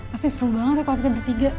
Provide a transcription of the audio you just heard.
pasti seru banget ya kalau kita bertiga